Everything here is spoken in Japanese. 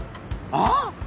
あっ？